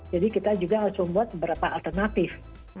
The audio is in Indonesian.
jadi kita juga harus membuat beberapa alternatif